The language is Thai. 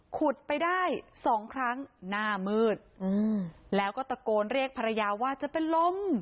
ขุดไปได้สองครั้งหน้ามืดแล้วก็ตะโกนเรียกภรรยาว่าจะเป็นลม